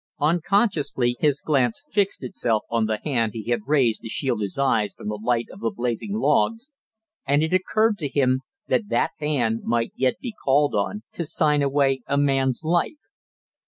Unconsciously his glance fixed itself on the hand he had raised to shield his eyes from the light of the blazing logs, and it occurred to him that that hand might yet be called on to sign away a man's life.